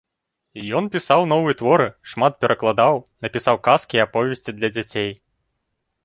Ён пісаў новыя творы, шмат перакладаў, напісаў казкі і аповесці для дзяцей.